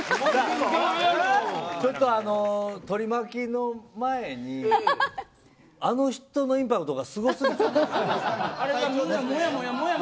ＴＯＲＩＭＡＫＩの前にあの人のインパクトがすごすぎて。